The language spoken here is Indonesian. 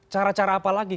cara cara apa lagi